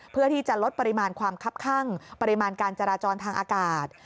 เพื่อที่จะลดปริมาณความคับข้างปริมาณการจราจรทางอากาศ